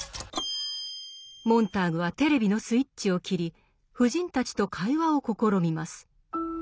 モンターグはテレビのスイッチを切り夫人たちと会話を試みます。